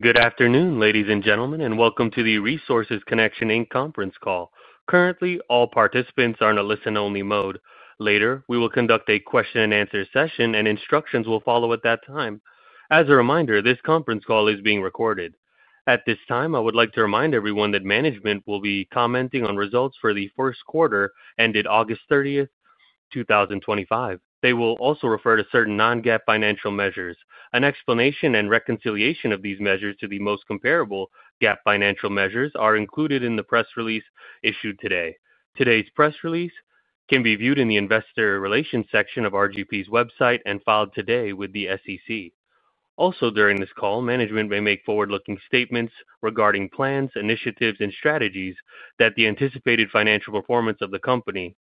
Good afternoon, ladies and gentlemen, and welcome to the Resources Connection Inc. conference call. Currently, all participants are in a listen-only mode. Later, we will conduct a question-and-answer session, and instructions will follow at that time. As a reminder, this conference call is being recorded. At this time, I would like to remind everyone that management will be commenting on results for the first quarter ended August 30, 2025. They will also refer to certain non-GAAP financial measures. An explanation and reconciliation of these measures to the most comparable GAAP financial measures are included in the press release issued today. Today's press release can be viewed in the Investor Relations section of RGP's website and filed today with the SEC. Also, during this call, management may make forward-looking statements regarding plans, initiatives, and strategies that the anticipated financial performance of the company.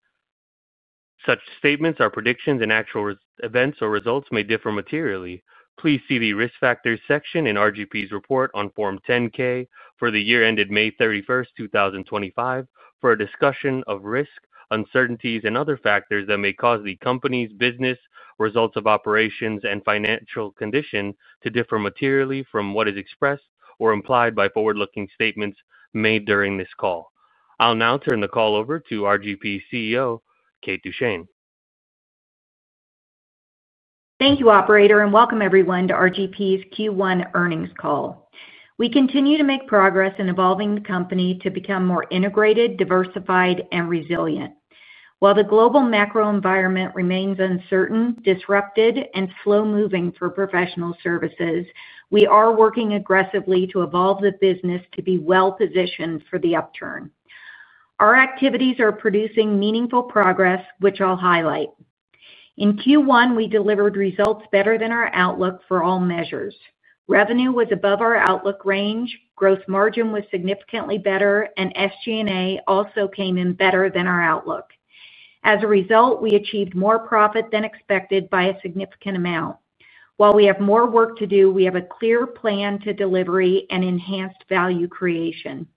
Such statements are predictions and actual events or results may differ materially. Please see the Risk Factors section in RGP's report on Form 10-K for the year ended May 31st, 2025, for a discussion of risk, uncertainties, and other factors that may cause the company's business, results of operations, and financial condition to differ materially from what is expressed or implied by forward-looking statements made during this call. I'll now turn the call over to RGP's CEO, Kate Duchene. Thank you, Operator, and welcome everyone to RGP's Q1 earnings call. We continue to make progress in evolving the company to become more integrated, diversified, and resilient. While the global macro environment remains uncertain, disrupted, and slow-moving for professional services, we are working aggressively to evolve the business to be well-positioned for the upturn. Our activities are producing meaningful progress, which I'll highlight. In Q1, we delivered results better than our outlook for all measures. Revenue was above our outlook range, gross margin was significantly better, and SG&A also came in better than our outlook. As a result, we achieved more profit than expected by a significant amount. While we have more work to do, we have a clear plan to deliver enhanced value creation.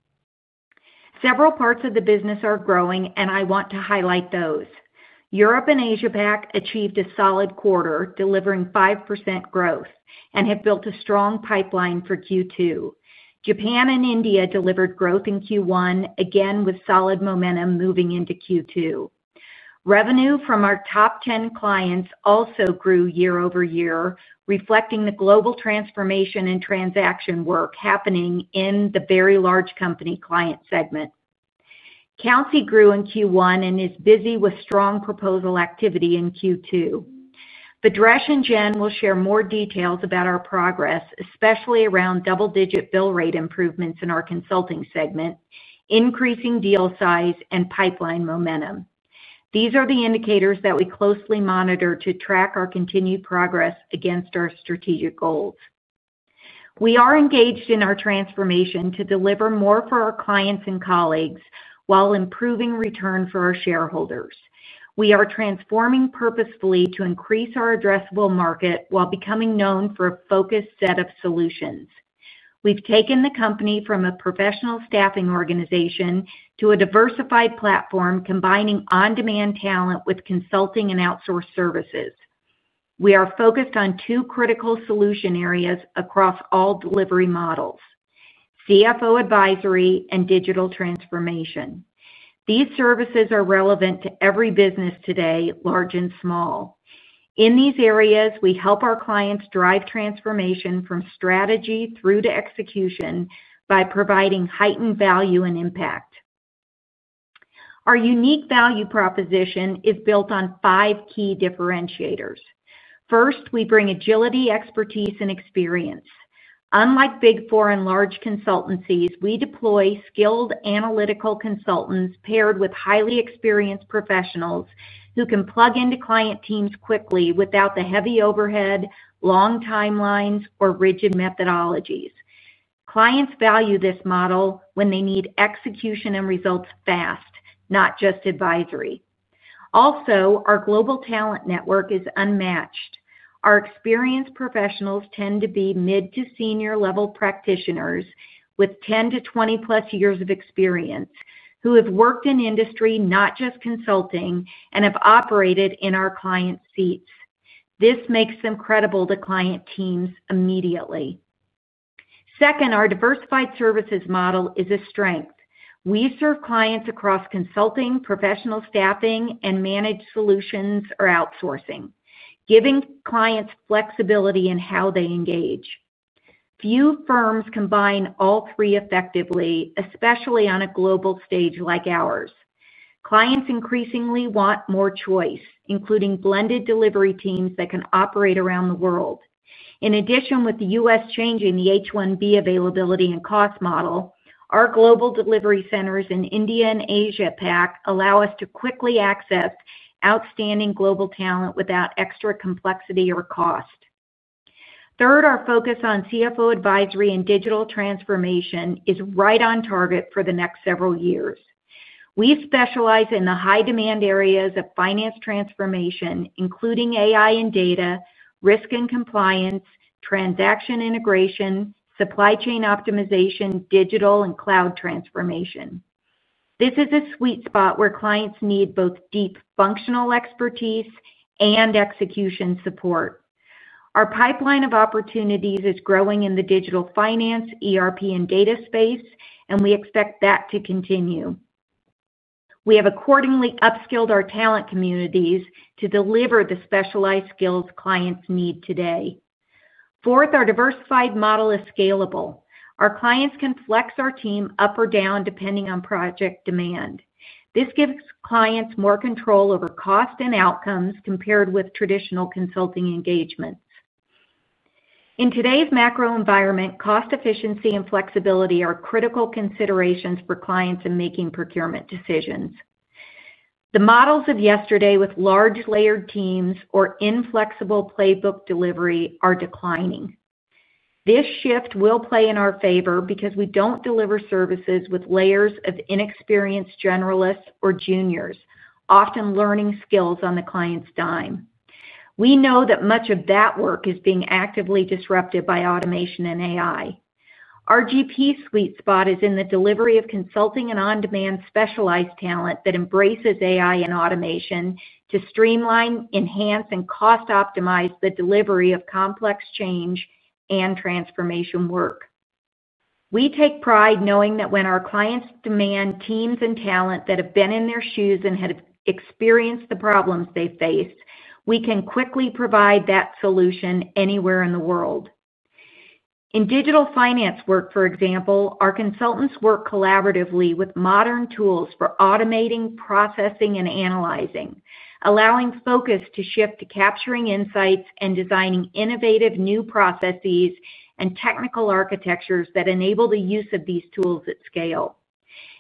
Several parts of the business are growing, and I want to highlight those. Europe and Asia-Pacific achieved a solid quarter, delivering 5% growth, and have built a strong pipeline for Q2. Japan and India delivered growth in Q1, again with solid momentum moving into Q2. Revenue from our top 10 clients also grew year-over-year, reflecting the global transformation and transaction work happening in the very large company client segment. Kelsey grew in Q1 and is busy with strong proposal activity in Q2. Bhadresh and Jen will share more details about our progress, especially around double-digit bill rate improvements in our consulting segment, increasing deal size, and pipeline momentum. These are the indicators that we closely monitor to track our continued progress against our strategic goals. We are engaged in our transformation to deliver more for our clients and colleagues while improving return for our shareholders. We are transforming purposefully to increase our addressable market while becoming known for a focused set of solutions. We've taken the company from a professional staffing organization to a diversified platform combining on-demand talent with consulting and outsourced services. We are focused on two critical solution areas across all delivery models: CFO advisory and digital transformation. These services are relevant to every business today, large and small. In these areas, we help our clients drive transformation from strategy through to execution by providing heightened value and impact. Our unique value proposition is built on five key differentiators. First, we bring agility, expertise, and experience. Unlike Big Four and large consultancies, we deploy skilled analytical consultants paired with highly experienced professionals who can plug into client teams quickly without the heavy overhead, long timelines, or rigid methodologies. Clients value this model when they need execution and results fast, not just advisory. Also, our global talent network is unmatched. Our experienced professionals tend to be mid to senior-level practitioners with 10 to 20+ years of experience who have worked in industry, not just consulting, and have operated in our client seats. This makes them credible to client teams immediately. Second, our diversified services model is a strength. We serve clients across consulting, professional staffing, and managed solutions or outsourcing, giving clients flexibility in how they engage. Few firms combine all three effectively, especially on a global stage like ours. Clients increasingly want more choice, including blended delivery teams that can operate around the world. In addition, with the U.S. changing the H1B availability and cost model, our global delivery centers in India and Asia-Pacific allow us to quickly access outstanding global talent without extra complexity or cost. Third, our focus on CFO advisory and digital transformation is right on target for the next several years. We specialize in the high-demand areas of finance transformation, including AI and data, risk and compliance, transaction integration, supply chain optimization, digital, and cloud transformation. This is a sweet spot where clients need both deep functional expertise and execution support. Our pipeline of opportunities is growing in the digital finance, ERP, and data space, and we expect that to continue. We have accordingly upskilled our talent communities to deliver the specialized skills clients need today. Fourth, our diversified model is scalable. Our clients can flex our team up or down depending on project demand. This gives clients more control over cost and outcomes compared with traditional consulting engagements. In today's macro environment, cost efficiency and flexibility are critical considerations for clients in making procurement decisions. The models of yesterday with large layered teams or inflexible playbook delivery are declining. This shift will play in our favor because we don't deliver services with layers of inexperienced generalists or juniors, often learning skills on the client's dime. We know that much of that work is being actively disrupted by automation and AI. RGP's sweet spot is in the delivery of consulting and on-demand specialized talent that embraces AI and automation to streamline, enhance, and cost optimize the delivery of complex change and transformation work. We take pride knowing that when our clients demand teams and talent that have been in their shoes and have experienced the problems they face, we can quickly provide that solution anywhere in the world. In digital finance work, for example, our consultants work collaboratively with modern tools for automating, processing, and analyzing, allowing focus to shift to capturing insights and designing innovative new processes and technical architectures that enable the use of these tools at scale.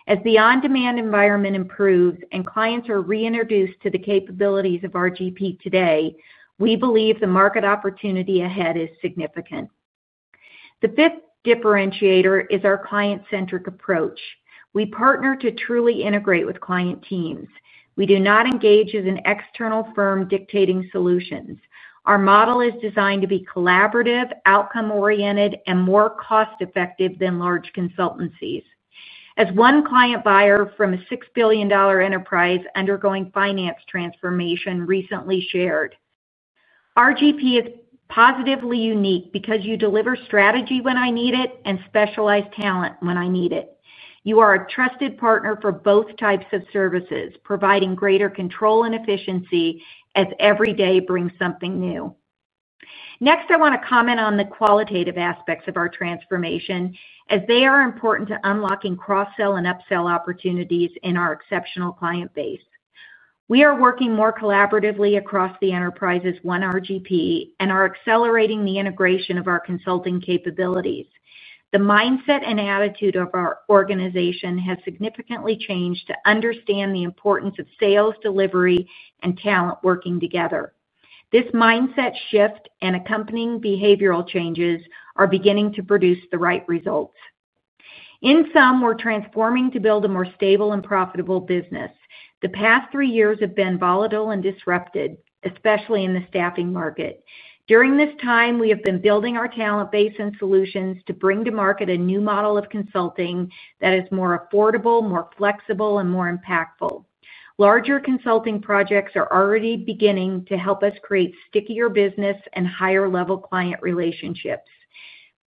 As the on-demand environment improves and clients are reintroduced to the capabilities of RGP today, we believe the market opportunity ahead is significant. The fifth differentiator is our client-centric approach. We partner to truly integrate with client teams. We do not engage as an external firm dictating solutions. Our model is designed to be collaborative, outcome-oriented, and more cost-effective than large consultancies. As one client buyer from a $6 billion enterprise undergoing finance transformation recently shared, RGP is positively unique because you deliver strategy when I need it and specialized talent when I need it. You are a trusted partner for both types of services, providing greater control and efficiency as every day brings something new. Next, I want to comment on the qualitative aspects of our transformation as they are important to unlocking cross-sell and upsell opportunities in our exceptional client base. We are working more collaboratively across the enterprise as one RGP, and are accelerating the integration of our consulting capabilities. The mindset and attitude of our organization has significantly changed to understand the importance of sales delivery and talent working together. This mindset shift and accompanying behavioral changes are beginning to produce the right results. In sum, we're transforming to build a more stable and profitable business. The past three years have been volatile and disruptive, especially in the staffing market. During this time, we have been building our talent base and solutions to bring to market a new model of consulting that is more affordable, more flexible, and more impactful. Larger consulting projects are already beginning to help us create stickier business and higher-level client relationships.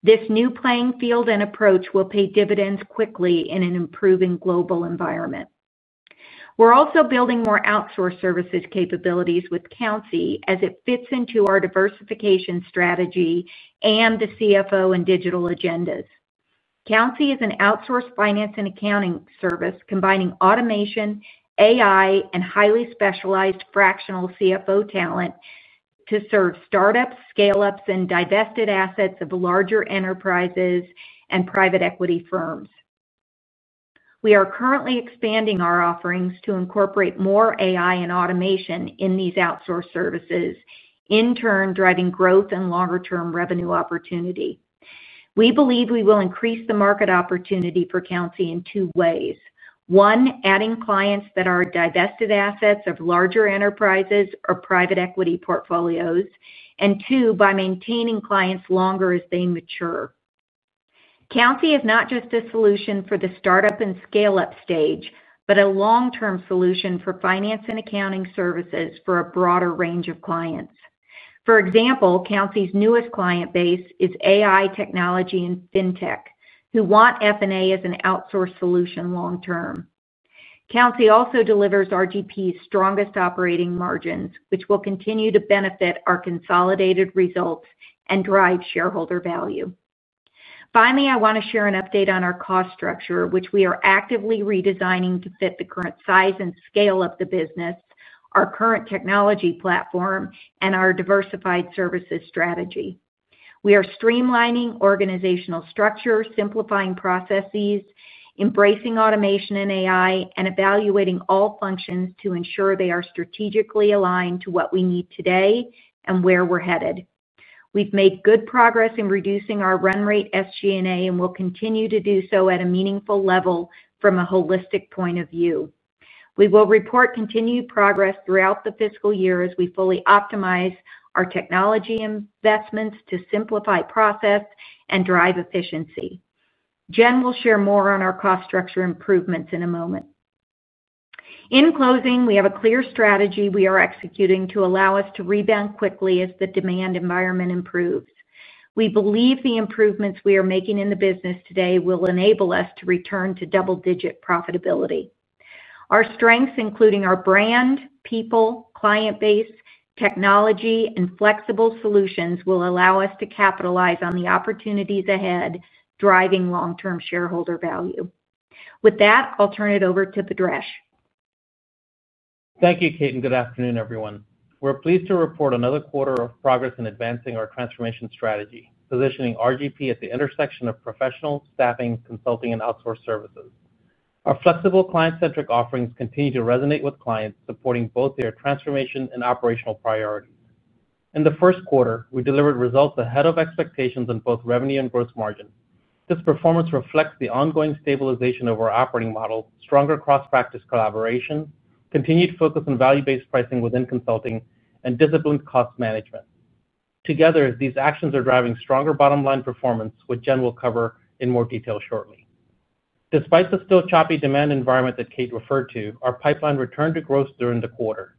This new playing field and approach will pay dividends quickly in an improving global environment. We're also building more outsourced services capabilities with Kelsey as it fits into our diversification strategy and the CFO and digital agendas. Kelsey is an outsourced finance and accounting service combining automation, AI, and highly specialized fractional CFO talent to serve startups, scale-ups, and divested assets of larger enterprises and private equity firms. We are currently expanding our offerings to incorporate more AI and automation in these outsourced services, in turn driving growth and longer-term revenue opportunity. We believe we will increase the market opportunity for Kelsey in two ways: one, adding clients that are divested assets of larger enterprises or private equity portfolios, and two, by maintaining clients longer as they mature. Kelsey is not just a solution for the startup and scale-up stage, but a long-term solution for finance and accounting services for a broader range of clients. For example, Kelsey's newest client base is AI technology and fintech who want F&A as an outsourced solution long-term. Kelsey also delivers RGP's strongest operating margins, which will continue to benefit our consolidated results and drive shareholder value. Finally, I want to share an update on our cost structure, which we are actively redesigning to fit the current size and scale of the business, our current technology platform, and our diversified services strategy. We are streamlining organizational structure, simplifying processes, embracing automation and AI, and evaluating all functions to ensure they are strategically aligned to what we need today and where we're headed. We've made good progress in reducing our run rate SG&A and will continue to do so at a meaningful level from a holistic point of view. We will report continued progress throughout the fiscal year as we fully optimize our technology investments to simplify process and drive efficiency. Jen will share more on our cost structure improvements in a moment. In closing, we have a clear strategy we are executing to allow us to rebound quickly as the demand environment improves. We believe the improvements we are making in the business today will enable us to return to double-digit profitability. Our strengths, including our brand, people, client base, technology, and flexible solutions, will allow us to capitalize on the opportunities ahead, driving long-term shareholder value. With that, I'll turn it over to Bhadresh. Thank you, Kate, and good afternoon, everyone. We're pleased to report another quarter of progress in advancing our transformation strategy, positioning RGP at the intersection of professional staffing, consulting, and outsourced services. Our flexible client-centric offerings continue to resonate with clients, supporting both their transformation and operational priorities. In the first quarter, we delivered results ahead of expectations in both revenue and gross margin. This performance reflects the ongoing stabilization of our operating model, stronger cross-practice collaboration, continued focus on value-based pricing within consulting, and disciplined cost management. Together, these actions are driving stronger bottom-line performance, which Jen will cover in more detail shortly. Despite the still choppy demand environment that Kate referred to, our pipeline returned to growth during the quarter.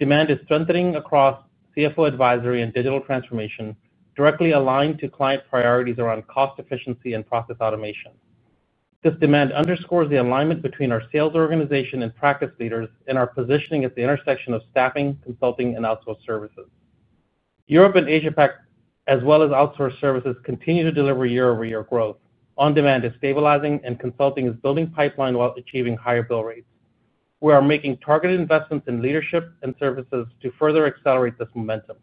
Demand is strengthening across CFO advisory and digital transformation, directly aligned to client priorities around cost efficiency and process automation. This demand underscores the alignment between our sales organization and practice leaders and our positioning at the intersection of staffing, consulting, and outsourced services. Europe and Asia-Pacific, as well as outsourced services, continue to deliver year-over-year growth. On-demand is stabilizing, and consulting is building pipeline while achieving higher bill rates. We are making targeted investments in leadership and services to further accelerate this momentum.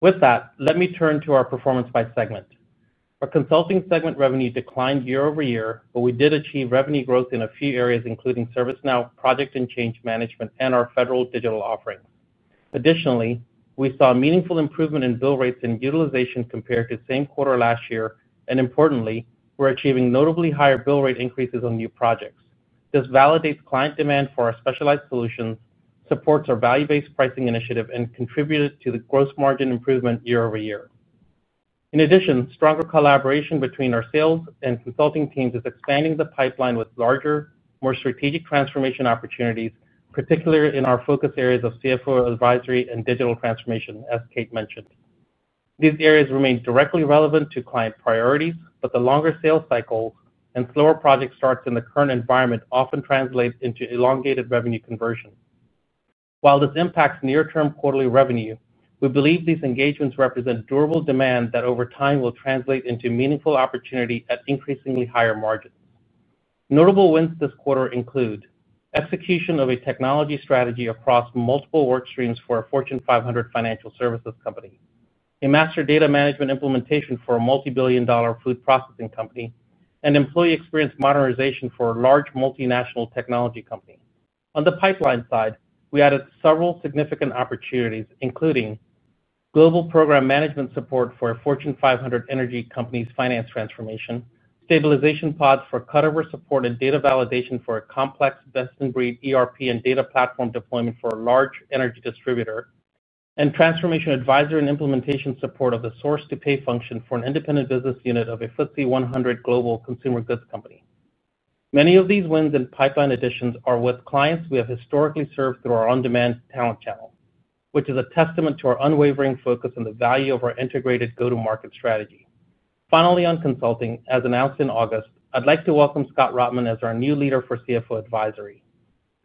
With that, let me turn to our performance by segment. Our consulting segment revenue declined year-over-year, but we did achieve revenue growth in a few areas, including ServiceNow, Project and Change Management, and our federal digital offering. Additionally, we saw a meaningful improvement in bill rates and utilization compared to the same quarter last year, and importantly, we're achieving notably higher bill rate increases on new projects. This validates client demand for our specialized solutions, supports our value-based pricing initiative, and contributed to the gross margin improvement year over year. In addition, stronger collaboration between our sales and consulting teams is expanding the pipeline with larger, more strategic transformation opportunities, particularly in our focus areas of CFO advisory and digital transformation, as Kate mentioned. These areas remain directly relevant to client priorities, but the longer sales cycles and slower project starts in the current environment often translate into elongated revenue conversions. While this impacts near-term quarterly revenue, we believe these engagements represent durable demand that over time will translate into meaningful opportunity at increasingly higher margins. Notable wins this quarter include execution of a technology strategy across multiple work streams for a Fortune 500 financial services company, a master data management implementation for a multi-billion dollar food processing company, and employee experience modernization for a large multinational technology company. On the pipeline side, we added several significant opportunities, including global program management support for a Fortune 500 energy company's finance transformation, stabilization pods for cutover support and data validation for a complex best-in-breed ERP and data platform deployment for a large energy distributor, and transformation advisor and implementation support of the source-to-pay function for an independent business unit of a FTSE 100 global consumer goods company. Many of these wins and pipeline additions are with clients we have historically served through our on-demand talent channel, which is a testament to our unwavering focus and the value of our integrated go-to-market strategy. Finally, on Consulting, as announced in August, I'd like to welcome Scott Rotman as our new leader for CFO advisory.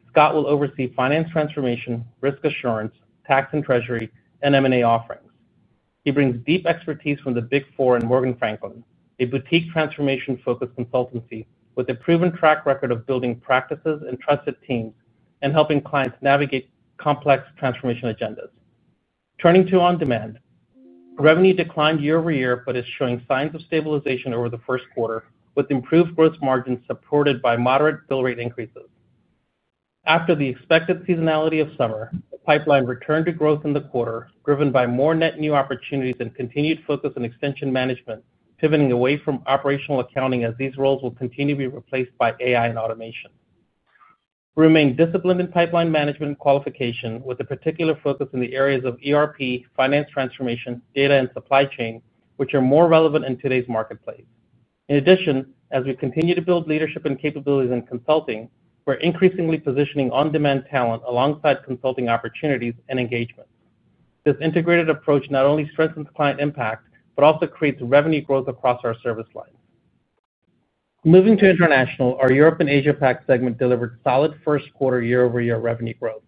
Scott will oversee finance transformation, risk assurance, tax and treasury, and M&A offerings. He brings deep expertise from the Big Four and MorganFranklin, a boutique transformation-focused consultancy with a proven track record of building practices and trusted teams and helping clients navigate complex transformation agendas. Turning to on-demand, revenue declined year over year, but is showing signs of stabilization over the first quarter, with improved gross margins supported by moderate bill rate increases. After the expected seasonality of summer, the pipeline returned to growth in the quarter, driven by more net new opportunities and continued focus on extension management, pivoting away from operational accounting as these roles will continue to be replaced by AI and automation. We remain disciplined in pipeline management qualification, with a particular focus in the areas of ERP, finance transformation, data, and supply chain, which are more relevant in today's marketplace. In addition, as we continue to build leadership and capabilities in consulting, we're increasingly positioning on-demand talent alongside consulting opportunities and engagement. This integrated approach not only strengthens client impact, but also creates revenue growth across our service lines. Moving to international, our Europe and Asia-Pacific segment delivered solid first quarter year-over-year revenue growth.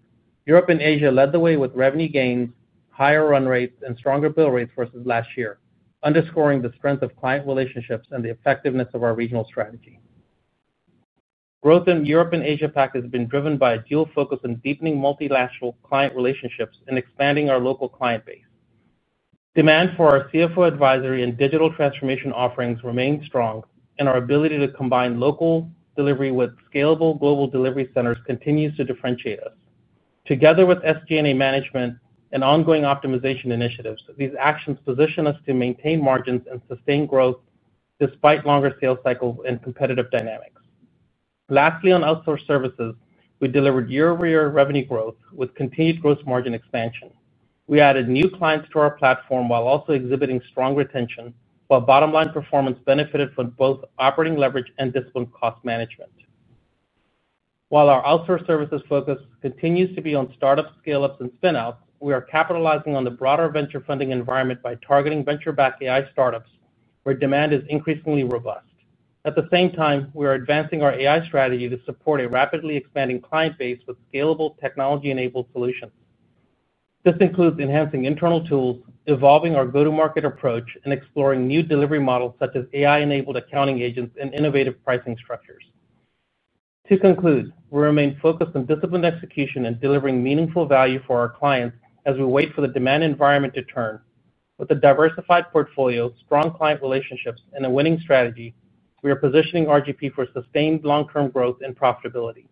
Europe and Asia led the way with revenue gains, higher run rates, and stronger bill rates versus last year, underscoring the strength of client relationships and the effectiveness of our regional strategy. Growth in Europe and Asia-Pacific has been driven by a dual focus on deepening multinational client relationships and expanding our local client base. Demand for our CFO advisory and digital transformation offerings remains strong, and our ability to combine local delivery with scalable global delivery centers continues to differentiate us. Together with SG&A management and ongoing optimization initiatives, these actions position us to maintain margins and sustain growth despite longer sales cycles and competitive dynamics. Lastly, on outsourced services, we delivered year-over-year revenue growth with continued gross margin expansion. We added new clients to our platform while also exhibiting strong retention, while bottom-line performance benefited from both operating leverage and disciplined cost management. While our outsourced services focus continues to be on startups, scale-ups, and spin-outs, we are capitalizing on the broader venture funding environment by targeting venture-backed AI startups, where demand is increasingly robust. At the same time, we are advancing our AI strategy to support a rapidly expanding client base with scalable technology-enabled solutions. This includes enhancing internal tools, evolving our go-to-market approach, and exploring new delivery models such as AI-enabled accounting agents and innovative pricing structures. To conclude, we remain focused on disciplined execution and delivering meaningful value for our clients as we wait for the demand environment to turn. With a diversified portfolio, strong client relationships, and a winning strategy, we are positioning RGP for sustained long-term growth and profitability.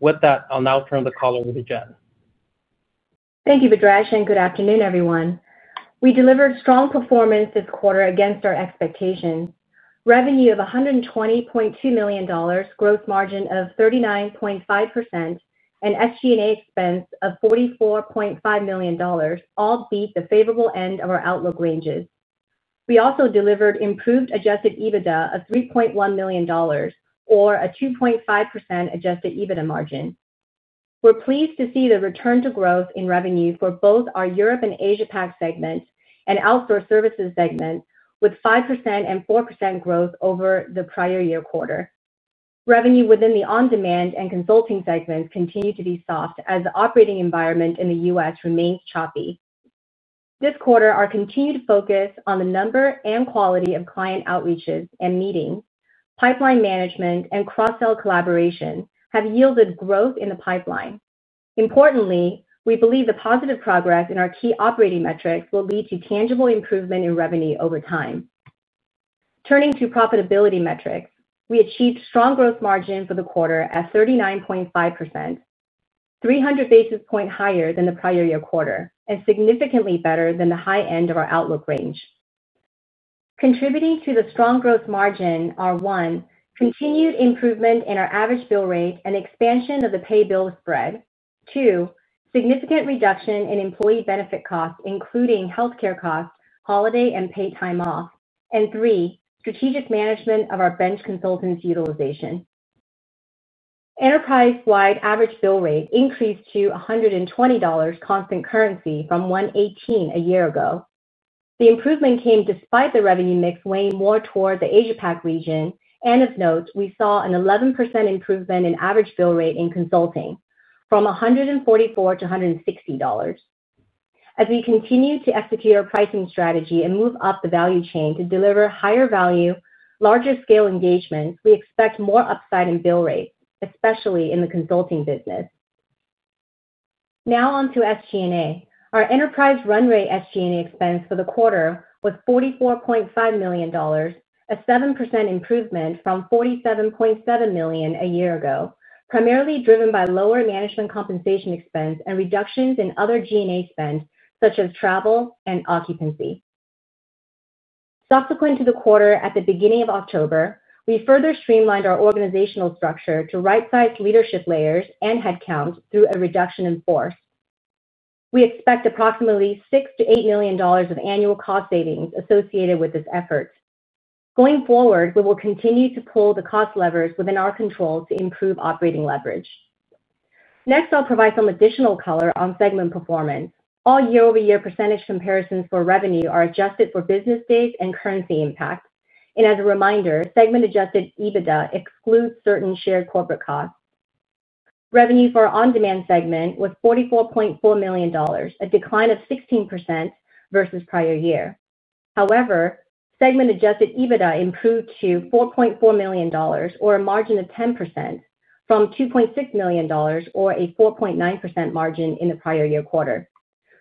With that, I'll now turn the call over to Jen. Thank you, Bhadresh, and good afternoon, everyone. We delivered strong performance this quarter against our expectations. Revenue of $120.2 million, gross margin of 39.5%, and SG&A expense of $44.5 million all beat the favorable end of our outlook ranges. We also delivered improved adjusted EBITDA of $3.1 million, or a 2.5% adjusted EBITDA margin. We're pleased to see the return to growth in revenue for both our Europe and Asia-Pacific segments and outsourced services segment, with 5% and 4% growth over the prior year quarter. Revenue within the on-demand and consulting segments continue to be soft as the operating environment in the U.S. remains choppy. This quarter, our continued focus on the number and quality of client outreaches and meetings, pipeline management, and cross-sell collaboration have yielded growth in the pipeline. Importantly, we believe the positive progress in our key operating metrics will lead to tangible improvement in revenue over time. Turning to profitability metrics, we achieved strong gross margin for the quarter at 39.5%, 300 basis points higher than the prior year quarter, and significantly better than the high end of our outlook range. Contributing to the strong gross margin are one, continued improvement in our average bill rate and expansion of the pay bill spread, two, significant reduction in employee benefit costs, including healthcare costs, holiday, and paid time off, and three, strategic management of our bench consultants' utilization. Enterprise-wide average bill rate increased to $120 constant currency from $118 a year ago. The improvement came despite the revenue mix weighing more toward the Asia-Pacific region, and of note, we saw an 11% improvement in average bill rate in consulting from $144 to $160. As we continue to execute our pricing strategy and move up the value chain to deliver higher value, larger scale engagements, we expect more upside in bill rate, especially in the consulting business. Now on to SG&A. Our enterprise run rate SG&A expense for the quarter was $44.5 million, a 7% improvement from $47.7 million a year ago, primarily driven by lower management compensation expense and reductions in other G&A spend, such as travel and occupancy. Subsequent to the quarter at the beginning of October, we further streamlined our organizational structure to right-size leadership layers and headcount through a reduction in force. We expect approximately $6 million-$8 million of annual cost savings associated with this effort. Going forward, we will continue to pull the cost levers within our control to improve operating leverage. Next, I'll provide some additional color on segment performance. All year-over-year percentage comparisons for revenue are adjusted for business days and currency impact. As a reminder, segment-adjusted EBITDA excludes certain shared corporate costs. Revenue for our on-demand segment was $44.4 million, a decline of 16% versus prior year. However, segment-adjusted EBITDA improved to $4.4 million, or a margin of 10%, from $2.6 million, or a 4.9% margin in the prior year quarter.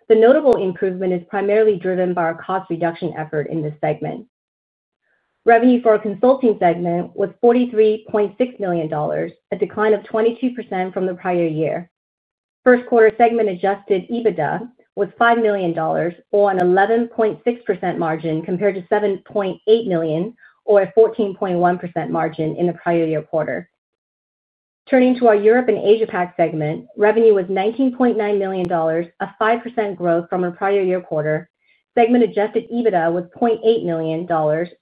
The notable improvement is primarily driven by our cost reduction effort in this segment. Revenue for our consulting segment was $43.6 million, a decline of 22% from the prior year. First quarter segment-adjusted EBITDA was $5 million, or an 11.6% margin compared to $7.8 million, or a 14.1% margin in the prior year quarter. Turning to our Europe and Asia-Pacific segment, revenue was $19.9 million, a 5% growth from the prior year quarter. Segment-adjusted EBITDA was $0.8 million,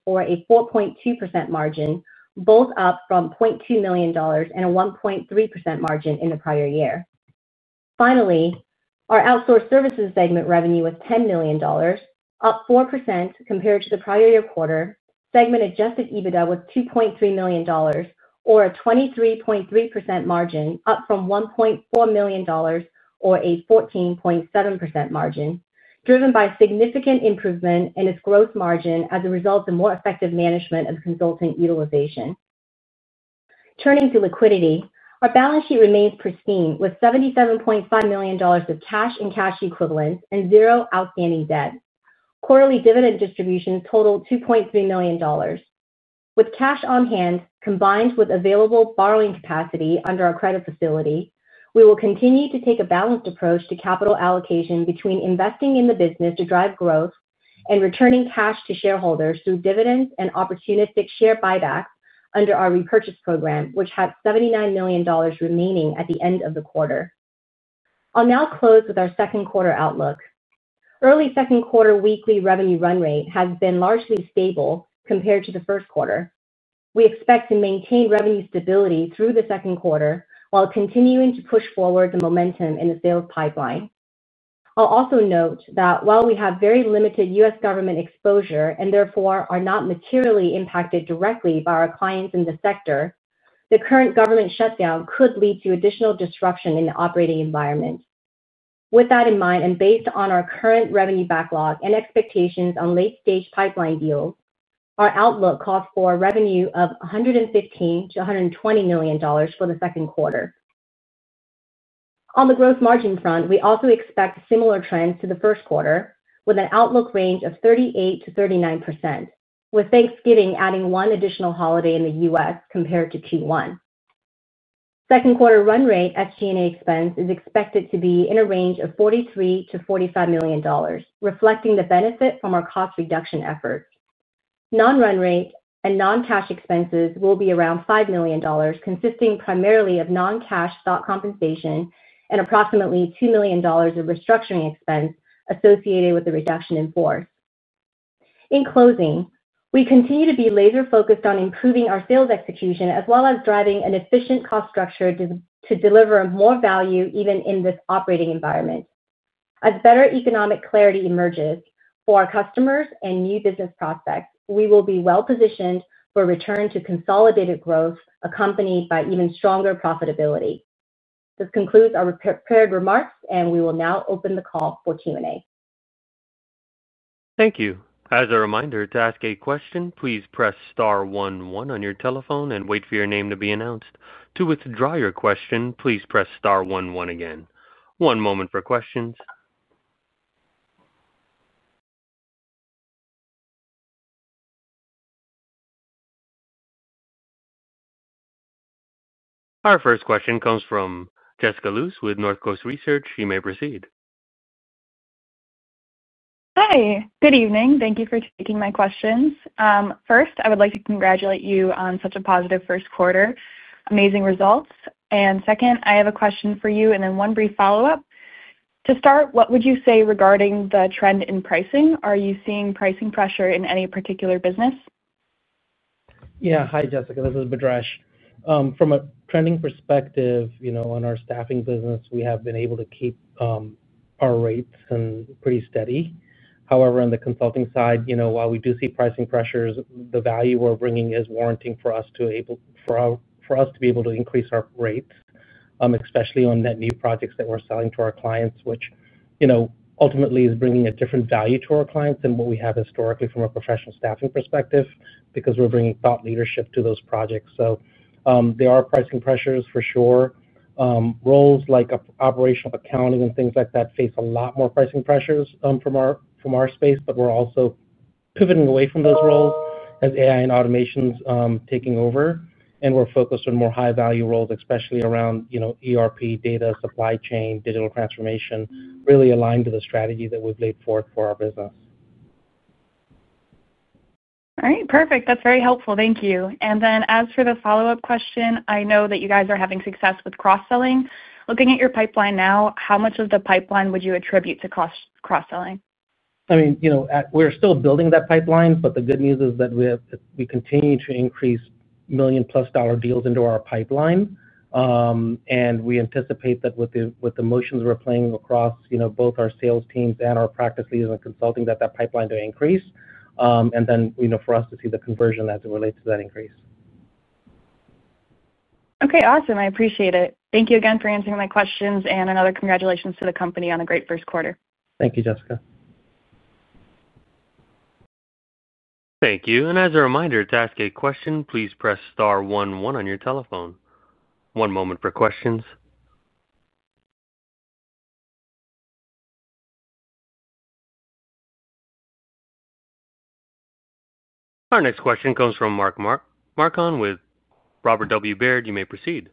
or a 4.2% margin, both up from $0.2 million and a 1.3% margin in the prior year. Finally, our outsourced services segment revenue was $10 million, up 4% compared to the prior year quarter. Segment-adjusted EBITDA was $2.3 million, or a 23.3% margin, up from $1.4 million, or a 14.7% margin, driven by significant improvement in its gross margin as a result of more effective management and consulting utilization. Turning to liquidity, our balance sheet remains pristine with $77.5 million of cash and cash equivalents and zero outstanding debt. Quarterly dividend distributions total $2.3 million. With cash on hand, combined with available borrowing capacity under our credit facility, we will continue to take a balanced approach to capital allocation between investing in the business to drive growth and returning cash to shareholders through dividends and opportunistic share buybacks under our repurchase program, which had $79 million remaining at the end of the quarter. I'll now close with our second quarter outlook. Early second quarter weekly revenue run rate has been largely stable compared to the first quarter. We expect to maintain revenue stability through the second quarter while continuing to push forward the momentum in the sales pipeline. I'll also note that while we have very limited U.S. government exposure and therefore are not materially impacted directly by our clients in the sector, the current government shutdown could lead to additional disruption in the operating environment. With that in mind and based on our current revenue backlog and expectations on late-stage pipeline deals, our outlook calls for a revenue of $115 million-$120 million for the second quarter. On the gross margin front, we also expect similar trends to the first quarter with an outlook range of 38%-39%, with Thanksgiving adding one additional holiday in the U.S. compared to Q1. Second quarter run rate SG&A expense is expected to be in a range of $43 million-$45 million, reflecting the benefit from our cost reduction effort. Non-run rate and non-cash expenses will be around $5 million, consisting primarily of non-cash stock compensation and approximately $2 million of restructuring expense associated with the reduction in force. In closing, we continue to be laser-focused on improving our sales execution as well as driving an efficient cost structure to deliver more value even in this operating environment. As better economic clarity emerges for our customers and new business prospects, we will be well-positioned for a return to consolidated growth accompanied by even stronger profitability. This concludes our prepared remarks, and we will now open the call for Q&A. Thank you. As a reminder, to ask a question, please press star one one on your telephone and wait for your name to be announced. To withdraw your question, please press star one one again. One moment for questions. Our first question comes from [Jessica Luce] with Northcoast Research. You may proceed. Hi. Good evening. Thank you for taking my questions. First, I would like to congratulate you on such a positive first quarter, amazing results. I have a question for you and then one brief follow-up. To start, what would you say regarding the trend in pricing? Are you seeing pricing pressure in any particular business? Yeah. Hi, Jessica. This is Bhadresh. From a trending perspective, on our staffing business, we have been able to keep our rates pretty steady. However, on the consulting side, while we do see pricing pressures, the value we're bringing is warranting for us to be able to increase our rates, especially on net new projects that we're selling to our clients, which ultimately is bringing a different value to our clients than what we have historically from a professional staffing perspective because we're bringing thought leadership to those projects. There are pricing pressures for sure. Roles like operational accounting and things like that face a lot more pricing pressures from our space, but we're also pivoting away from those roles as AI and automation is taking over, and we're focused on more high-value roles, especially around ERP, data, supply chain, digital transformation, really aligned to the strategy that we've laid forth for our business. All right. Perfect. That's very helpful. Thank you. As for the follow-up question, I know that you guys are having success with cross-selling. Looking at your pipeline now, how much of the pipeline would you attribute to cross-selling? We're still building that pipeline, but the good news is that we continue to increase $1 million+ deals into our pipeline. We anticipate that with the motions we're playing across both our sales teams and our practice leads and consulting, that pipeline will increase, and for us to see the conversion as it relates to that increase. Okay. Awesome. I appreciate it. Thank you again for answering my questions, and another congratulations to the company on a great first quarter. Thank you, Jessica. Thank you. As a reminder, to ask a question, please press star one one on your telephone. One moment for questions. Our next question comes from Mark Marcon with Robert W. Baird. You may proceed.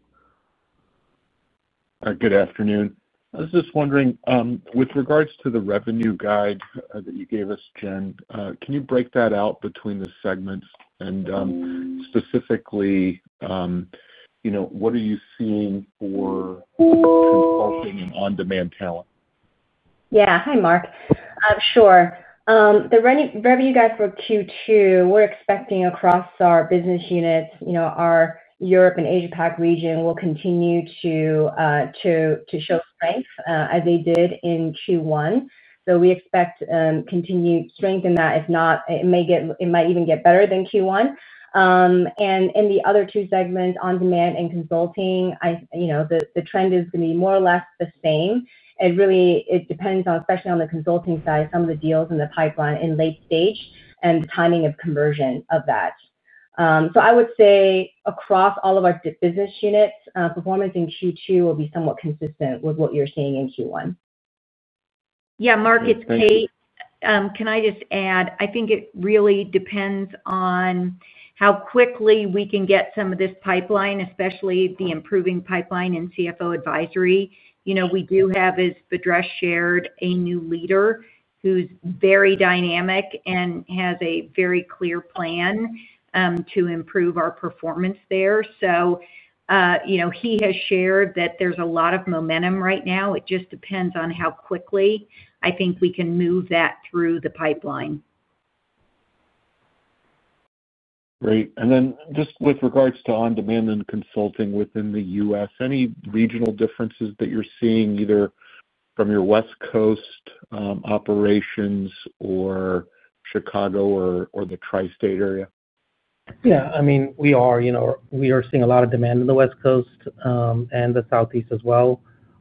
Good afternoon. I was just wondering, with regards to the revenue guide that you gave us, Jen, can you break that out between the segments? Specifically, you know, what are you seeing for consulting and on-demand talent? Yeah. Hi, Mark. Sure. The revenue guide for Q2, we're expecting across our business units, you know, our Europe and Asia-Pacific region will continue to show strength as they did in Q1. We expect continued strength in that. If not, it might even get better than Q1. In the other two segments, on-demand and consulting, the trend is going to be more or less the same. It really depends on, especially on the consulting side, some of the deals in the pipeline in late stage and the timing of conversion of that. I would say across all of our business units, performance in Q2 will be somewhat consistent with what you're seeing in Q1. Yeah, Mark, it's Kate. Can I just add, I think it really depends on how quickly we can get some of this pipeline, especially the improving pipeline in CFO advisory. We do have, as Bhadresh shared, a new leader who's very dynamic and has a very clear plan to improve our performance there. He has shared that there's a lot of momentum right now. It just depends on how quickly I think we can move that through the pipeline. Great. Just with regards to on-demand and consulting within the U.S., any regional differences that you're seeing either from your West Coast operations or Chicago or the Tri-State area? Yeah. I mean, we are seeing a lot of demand in the West Coast and the Southeast as well.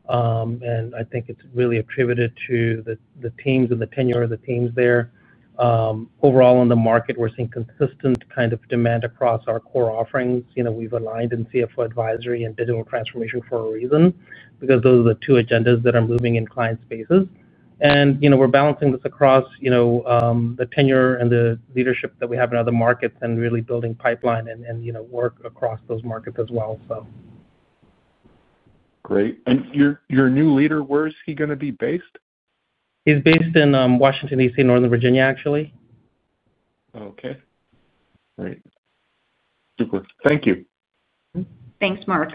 I think it's really attributed to the teams and the tenure of the teams there. Overall, in the market, we're seeing consistent kind of demand across our core offerings. We've aligned in CFO advisory and digital transformation for a reason because those are the two agendas that are moving in client spaces. We're balancing this across the tenure and the leadership that we have in other markets and really building pipeline and work across those markets as well. Great. Your new leader, where is he going to be based? He's based in Washington, D.C., Northern Virginia, actually. Okay. All right. Super. Thank you. Thanks, Mark.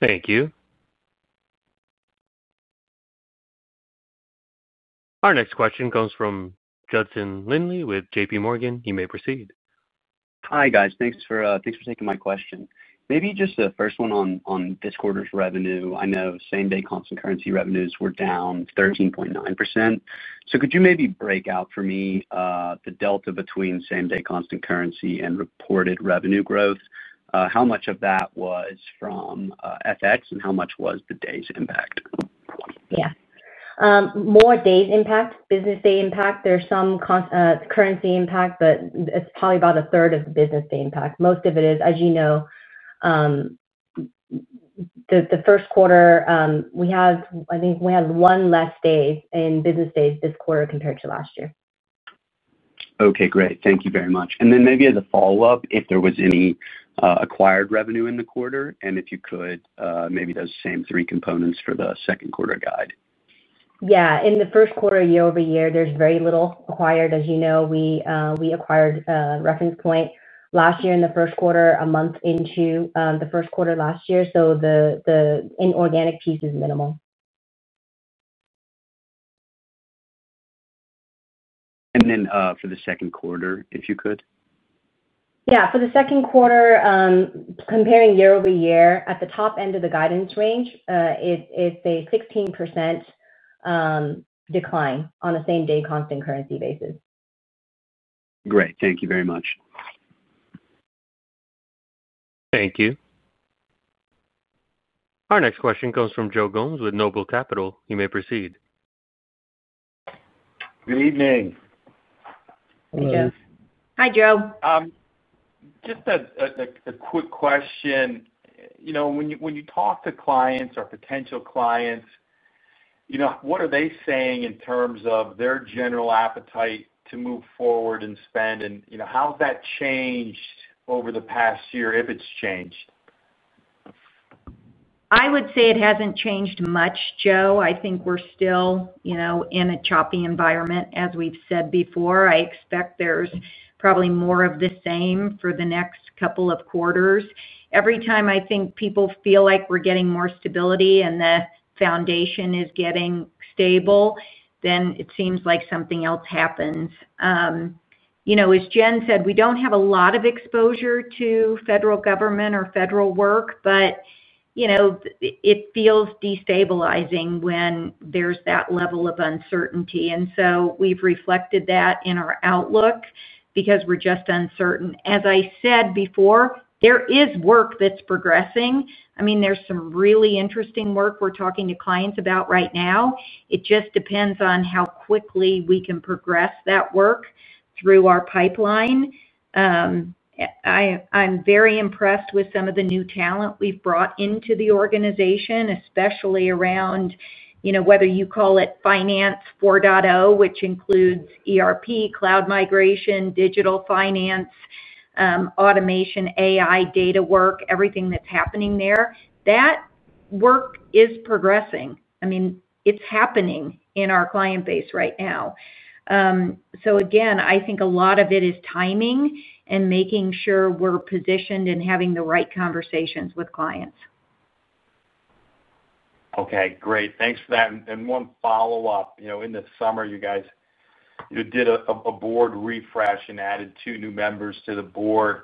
Thank you. Our next question comes from Judson Lindley with JPMorgan. You may proceed. Hi, guys. Thanks for taking my question. Maybe just the first one on this quarter's revenue. I know same-day constant currency revenues were down 13.9%. Could you maybe break out for me the delta between same-day constant currency and reported revenue growth? How much of that was from FX, and how much was the day's impact? Yeah. More day's impact, business day impact. There's some currency impact, but it's probably about 1/3 of the business day impact. Most of it is, as you know, the first quarter, we have, I think we had one less day in business days this quarter compared to last year. Okay. Great. Thank you very much. If there was any acquired revenue in the quarter, and if you could, maybe those same three components for the second quarter guide. Yeah. In the first quarter, year-over-year, there's very little acquired. As you know, we acquired Reference Point last year in the first quarter, a month into the first quarter last year. The inorganic piece is minimal. For the second quarter, if you could? Yeah. For the second quarter, comparing year-over-year, at the top end of the guidance range, it's a 16% decline on a same-day constant currency basis. Great. Thank you very much. Thank you. Our next question comes from Joe Gomes with NOBLE Capital. You may proceed. Good evening. Hello. Hey, Joe. Hi, Joe. Just a quick question. When you talk to clients or potential clients, what are they saying in terms of their general appetite to move forward and spend? How has that changed over the past year, if it's changed? I would say it hasn't changed much, Joe. I think we're still in a choppy environment, as we've said before. I expect there's probably more of the same for the next couple of quarters. Every time I think people feel like we're getting more stability and the foundation is getting stable, it seems like something else happens. As Jenn said, we don't have a lot of exposure to federal government or federal work, but it feels destabilizing when there's that level of uncertainty. We've reflected that in our outlook because we're just uncertain. As I said before, there is work that's progressing. There is some really interesting work we're talking to clients about right now. It just depends on how quickly we can progress that work through our pipeline. I'm very impressed with some of the new talent we've brought into the organization, especially around, whether you call it finance 4.0, which includes ERP, cloud migration, digital finance, automation, AI, data work, everything that's happening there. That work is progressing. It's happening in our client base right now. I think a lot of it is timing and making sure we're positioned and having the right conversations with clients. Okay. Great. Thanks for that. One follow-up, you know, in the summer, you guys did a board refresh and added two new members to the board.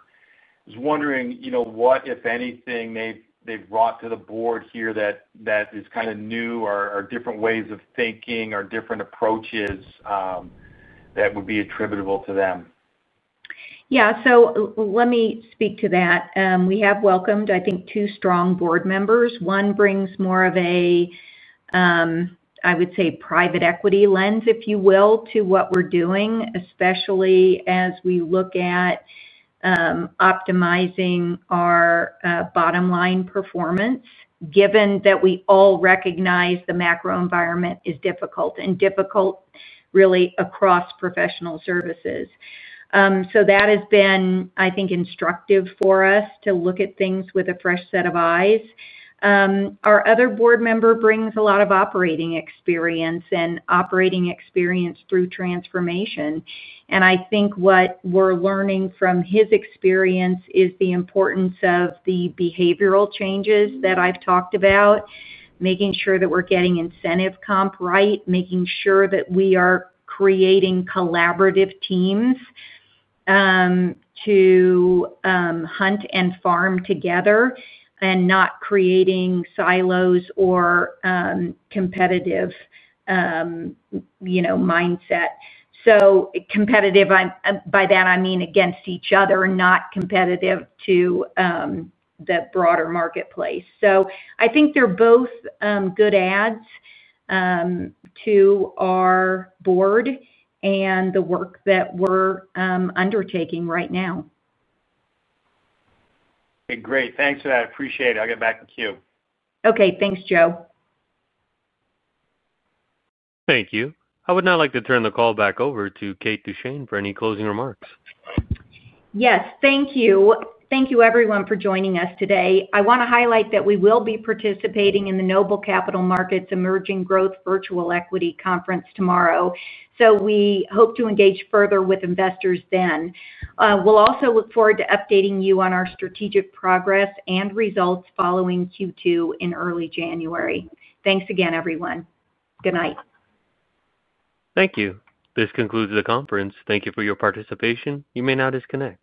I was wondering, you know, what, if anything, they've brought to the board here that is kind of new or different ways of thinking or different approaches that would be attributable to them? Yeah. Let me speak to that. We have welcomed, I think, two strong board members. One brings more of a, I would say, private equity lens, if you will, to what we're doing, especially as we look at optimizing our bottom-line performance, given that we all recognize the macro environment is difficult and difficult really across professional services. That has been, I think, instructive for us to look at things with a fresh set of eyes. Our other board member brings a lot of operating experience and operating experience through transformation. I think what we're learning from his experience is the importance of the behavioral changes that I've talked about, making sure that we're getting incentive comp right, making sure that we are creating collaborative teams to hunt and farm together and not creating silos or competitive, you know, mindset. By that, I mean against each other, not competitive to the broader marketplace. I think they're both good adds to our board and the work that we're undertaking right now. Okay. Great. Thanks for that. I appreciate it. I'll get back to you. Okay. Thanks, Joe. Thank you. I would now like to turn the call back over to Kate Duchene for any closing remarks. Yes. Thank you. Thank you, everyone, for joining us today. I want to highlight that we will be participating in the Noble Capital Markets' Emerging Growth Virtual Equity Conference tomorrow. We hope to engage further with investors then. We also look forward to updating you on our strategic progress and results following Q2 in early January. Thanks again, everyone. Good night. Thank you. This concludes the conference. Thank you for your participation. You may now disconnect.